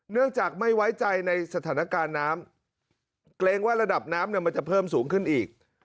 เนื่องจากไม่ไว้ใจในสถานการณ์น้ำเกรงว่าระดับน้ำเนี่ยมันจะเพิ่มสูงขึ้นอีก